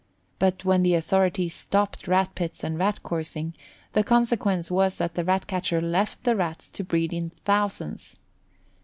But when the authorities stopped Rat pits and Rat coursing, the consequence was that the Rat catcher left the Rats to breed in thousands.